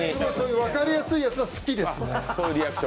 分かりやすいやつは好きですね。